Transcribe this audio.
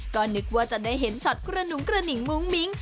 ก็นึกว่าจะได้เห็นช็อตกระหนุงกระหิ่งมุ้งมิ้ง